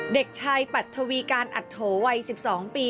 เด็กชายปัทธวีการอัตโถวัย๑๒ปี